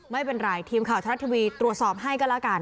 ไม่เป็นไรทีมข่าวทรัฐทีวีตรวจสอบให้ก็แล้วกัน